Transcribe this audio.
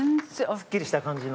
すっきりした感じの。